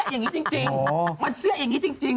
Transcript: อะไรอย่างนี้มันเสี้ยอย่างนี้จริง